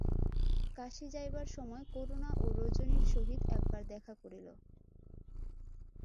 কাশী যাইবার সময় করুণা ও রজনীর সহিত একবার দেখা করিল।